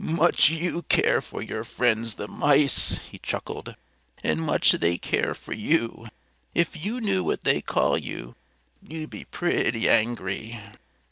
"Much you care for your friends the mice!" he chuckled. "And much they care for you! If you knew what they call you, you'd be pretty angry."